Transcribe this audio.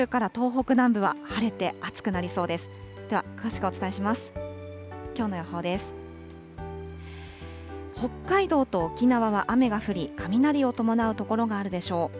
北海道と沖縄は雨が降り、雷を伴う所があるでしょう。